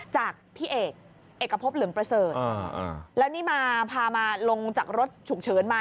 จากพี่เอกเอกพบเหลืองประเสริฐแล้วนี่มาพามาลงจากรถฉุกเฉินมา